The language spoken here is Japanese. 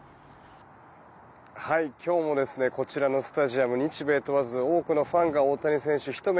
今日もこちらのスタジアム日米問わず多くのファンが大谷選手ひと目